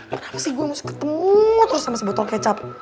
kenapa sih gue mesti ketemu terus sama si botol kecap